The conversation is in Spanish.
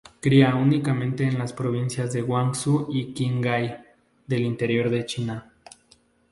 Cría únicamente en las provincias de Gansu y Qinghai, del interior de China.